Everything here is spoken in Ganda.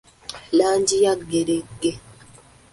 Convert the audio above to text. Langi ya ggerenge.